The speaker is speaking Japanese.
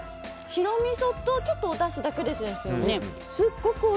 白みそとちょっとおだしだけですよね。